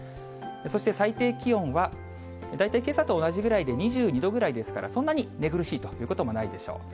そして最低気温は、大体けさと同じぐらいで２２度ぐらいですから、そんなに寝苦しいということもないでしょう。